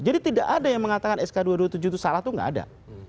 jadi tidak ada yang mengatakan sk dua ratus dua puluh tujuh itu salah itu nggak ada